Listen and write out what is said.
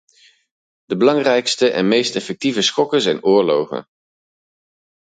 De belangrijkste en meest effectieve schokken zijn oorlogen.